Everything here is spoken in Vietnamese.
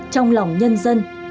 trong lòng nhân dân